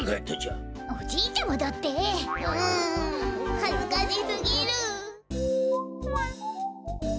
はずかしすぎる。